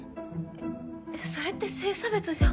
えっそれって性差別じゃ？